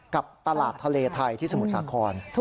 กับตลาดทะเลไทยที่สมุทรสาคร